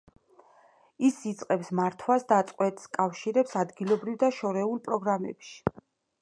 ის იწყებს, მართავს და წყვეტს კავშირებს ადგილობრივ და შორეულ პროგრამებში.